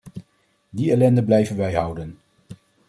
Die ellende blijven wij houden.